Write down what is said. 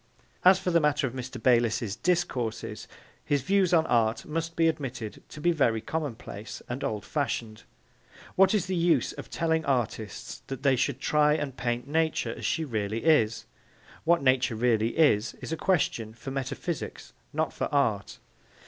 As for the matter of Mr. Bayliss's discourses, his views on art must be admitted to be very commonplace and old fashioned. What is the use of telling artists that they should try and paint Nature as she really is? What Nature really is, is a question for metaphysics not for art.